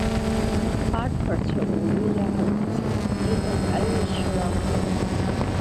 Арԥарацәа уаҩы иаҳамҳәаӡеит, иҟаз аиҩызцәа ҳакәын.